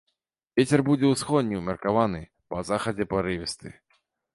Вецер будзе ўсходні, умеркаваны, па захадзе парывісты.